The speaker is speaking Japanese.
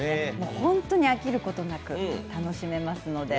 本当に飽きることなく、楽しめますので。